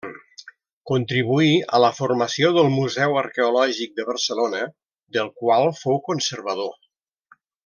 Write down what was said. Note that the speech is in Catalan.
Contribuí a la formació del Museu Arqueològic de Barcelona, del qual fou conservador.